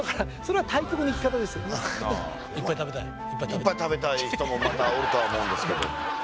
いっぱい食べたい人もまたおるとは思うんですけど。